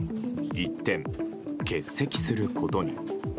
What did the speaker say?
一転、欠席することに。